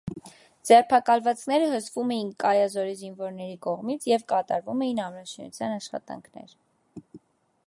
Ձերբակալվածները հսկվում էին կայազորի զինվորների կողմից և կատարում էին ամրաշինության աշխատանքներ։